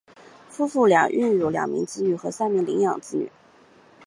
夫妇俩育有两名子女和三名领养子女。